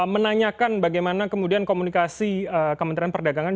menanyakan bagaimana kemudian komunikasi kementerian perdagangan